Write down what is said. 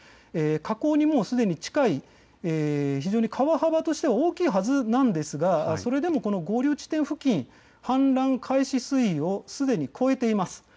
河口にもうすぐに近い非常に川幅としては大きいはずなんですがそれでも合流地点付近、氾濫開始水位をすでに超えています。